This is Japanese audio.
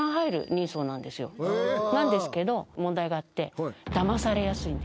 なんですけど問題があって。